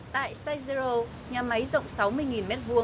tại size zero nhà máy rộng sáu mươi m hai